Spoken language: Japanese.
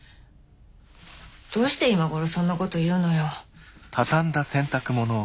どうして今頃そんなこと言うのよ？